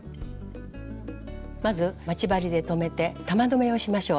まず待ち針で留めて玉留めをしましょう。